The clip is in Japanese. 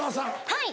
はい。